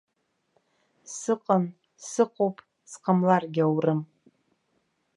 Сыҟан, сыҟоуп, сҟамларгьы аурым.